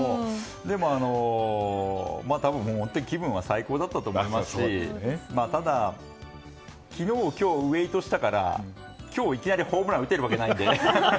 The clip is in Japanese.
でも多分、気分は最高だったと思いますしただ、昨日今日ウェートしたから今日いきなりホームランを打てるわけじゃないので。